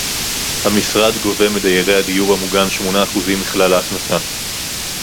המשרד גובה מדיירי הדיור המוגן שמונה אחוז מכלל ההכנסה